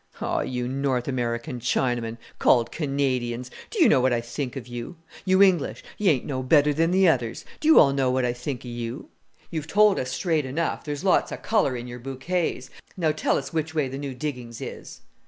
"Oh, you North American Chinamen, called Canadians, do you know what I think of you? You English, you ain't no better than the others; do you all know what I think of you?" "You've told us straight enough there's lot's of colour in your bouquets; now tell us which way the new diggings is."